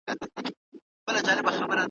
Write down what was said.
سړي سمدستي تعویذ ورته انشاء کړ `